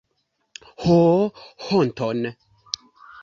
Ho honton!